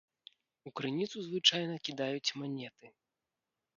У крыніцу звычайна кідаюць манеты.